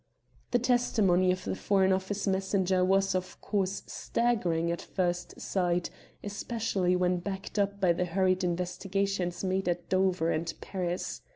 The testimony of the Foreign Office messenger was, of course, staggering at first sight, especially when backed up by the hurried investigations made at Dover and Paris.